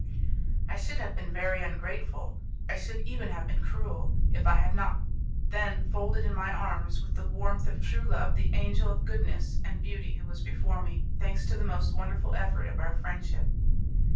I should have been very ungrateful, I should, even have been cruel, if I had not then folded in my arms with the warmth of true love the angel of goodness and beauty who was before me, thanks to the most wonderful effort of friendship.